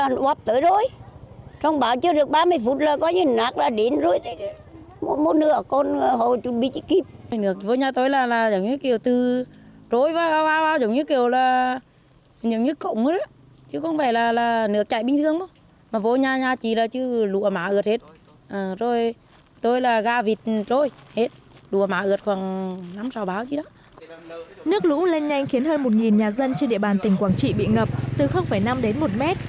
nước lũ lên nhanh khiến hơn một nhà dân trên địa bàn tỉnh quảng trị bị ngập từ năm đến một mét